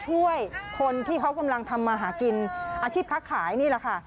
ช่วยคนที่เขากำลังทำมาหากินอาชีพค้าขายนี่แหละค่ะ